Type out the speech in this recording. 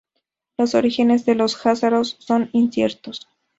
Los orígenes de los jázaros son inciertos.